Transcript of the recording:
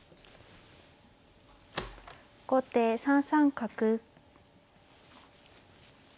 後手３三角。